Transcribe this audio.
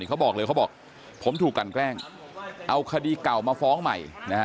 เขาบอกเลยเขาบอกผมถูกกันแกล้งเอาคดีเก่ามาฟ้องใหม่